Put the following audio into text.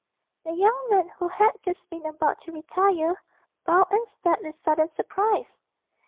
The young man, who had just been about to retire, bowed and stared with sudden surprise.